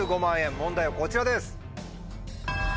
問題はこちらです。